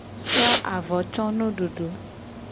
So avo co nududu.